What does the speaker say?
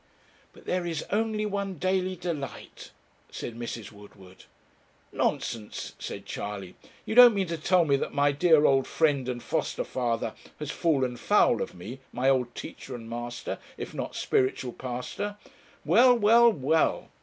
'But there is only one Daily Delight,' said Mrs. Woodward. 'Nonsense!' said Charley. 'You don't mean to tell me that my dear old friend and foster father has fallen foul of me my old teacher and master, if not spiritual pastor; well well well!